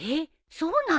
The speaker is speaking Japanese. そうなの？